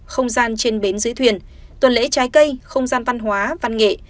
không gian trên bến dưới thuyền tuần lễ trái cây không gian văn hóa văn nghệ